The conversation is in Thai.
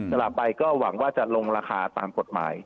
หลับไปก็หวังว่าจะลงราคาตามกฎหมาย